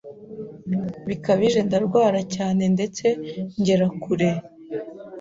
bikabije ndarwara cyane ndetse ngera kure